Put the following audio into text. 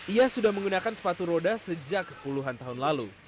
ia sudah menggunakan sepatu roda sejak puluhan tahun lalu